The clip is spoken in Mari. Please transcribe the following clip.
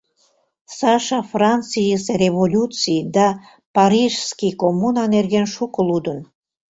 Саша Францийысе революций да Парижский коммуна нерген шуко лудын.